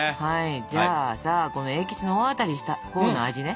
じゃあさこの栄吉の大当たりしたほうの味ね。